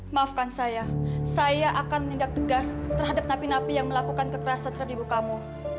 maafkan saya saya akan menindak tegas terhadap napi napi yang melakukan kekerasan terhadap ibu kamu